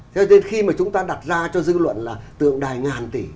thế nên khi mà chúng ta đặt ra cho dư luận là tượng đài ngàn tỷ